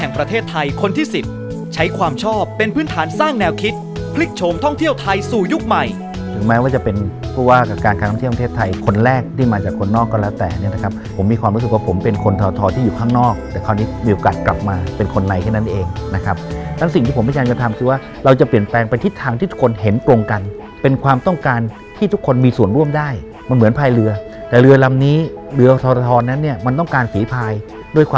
เพราะฉะนั้นมันต้องการฝีภายด้วยความร่วมมือของฝีภาย